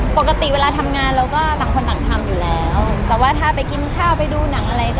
ปกติเวลาทำงานเราก็ต่างคนต่างทำอยู่แล้วแต่ว่าถ้าไปกินข้าวไปดูหนังอะไรก็